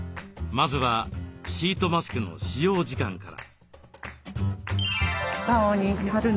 まずはシートマスクの使用時間から。